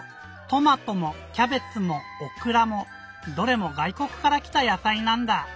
「トマト」も「キャベツ」も「オクラ」もどれもがいこくからきたやさいなんだ！